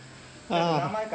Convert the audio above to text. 何枚か。